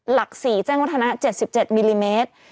หลัก๔แจ้งวัฒนะ๗๗มิลลิเมตร